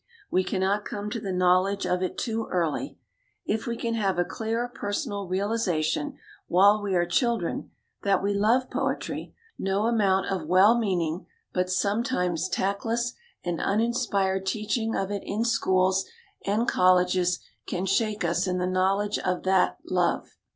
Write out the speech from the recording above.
We cannot come to the knowledge of it too early. If we can have a clear personal realization while we are children, that we love poetry, no amount of well RAINBOW GOLD meaning but sometimes tactless and uninspired teaching of it in schools and colleges can shake us in the knowledge of that love.